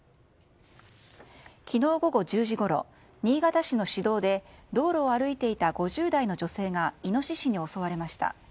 昨日午後１０時ごろ新潟市の市道で道路を歩いていた５０代の女性がイノシシに襲われました。